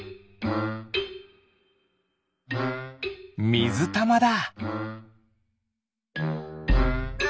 みずたまだ。